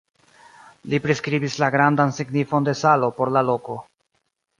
Li priskribis la grandan signifon de salo por la loko.